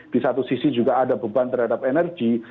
di satu sisi juga ada beban terhadap energi